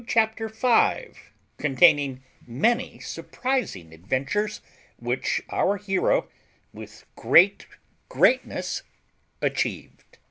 CHAPTER FIVE CONTAINING MANY SURPRISING ADVENTURES, WHICH OUR HERO, WITH GREAT GREATNESS, ACHIEVED.